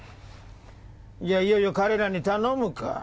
じゃあいよいよ彼らに頼むか。